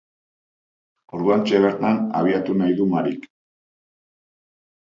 Orduantxe bertan abiatu nahi du Mariek.